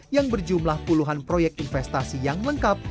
yang berjumlah puluhan proyek investasi yang lengkap